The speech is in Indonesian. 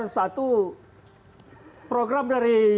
satu program dari